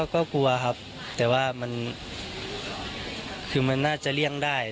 ก็กลัวครับซึ่งมันน่าจะเลี่ยงได้